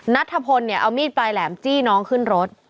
นัทธพลเนี่ยเอามีดปลายแหลมจี้น้องขึ้นรถ